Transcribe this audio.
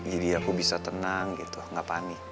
jadi aku bisa tenang gitu nggak panik